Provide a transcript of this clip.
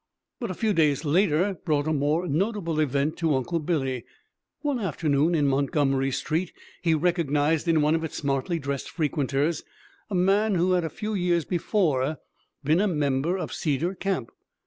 But a few days later brought a more notable event to Uncle Billy. One afternoon in Montgomery Street he recognized in one of its smartly dressed frequenters a man who had a few years before been a member of Cedar Camp.